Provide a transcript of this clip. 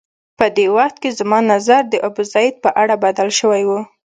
په دې وخت کې زما نظر د ابوزید په اړه بدل شوی و.